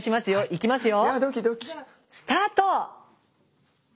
いきますよ。